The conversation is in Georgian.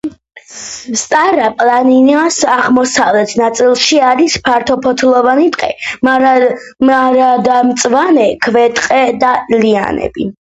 სტარა-პლანინას აღმოსავლეთ ნაწილში არის ფართოფოთლოვანი ტყე, მარადმწვანე ქვეტყე და ლიანები.